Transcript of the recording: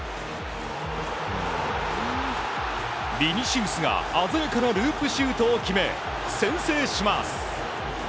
ビニシウスが鮮やかなループシュートを決め先制します。